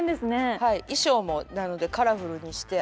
はい衣装もなのでカラフルにして。